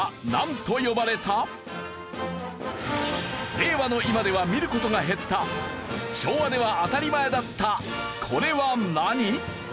令和の今では見る事が減った昭和では当たり前だったこれは何？